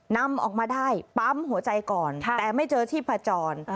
นำออกมาได้ปั๊มหัวใจก่อนแต่ไม่เจอชีพจร